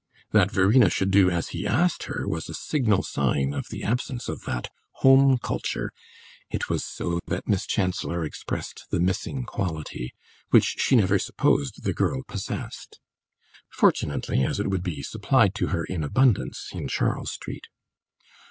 That Verena should do as he asked her was a signal sign of the absence of that "home culture" (it was so that Miss Chancellor expressed the missing quality) which she never supposed the girl possessed: fortunately, as it would be supplied to her in abundance in Charles Street.